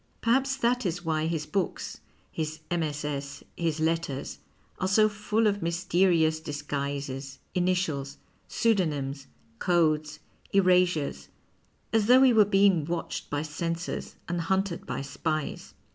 Perhaps that is why his books, his MSS., his letters, are so full of mysterious disguises, initials, pseudo nyms, codes, erasures, as thougii he were being watched by censors and hunted by spies.